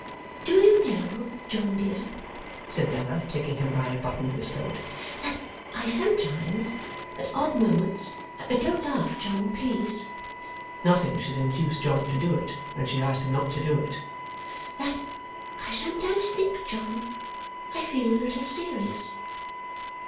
'Do you know, John dear,' said Bella, taking him by a button of his coat, 'that I sometimes, at odd moments don't laugh, John, please.' Nothing should induce John to do it, when she asked him not to do it. ' That I sometimes think, John, I feel a little serious.